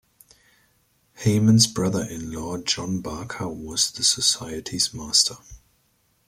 Hayman's brother-in-law John Barker was the society's master.